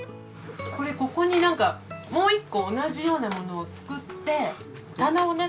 これここにもう一個同じようなものを作って棚をね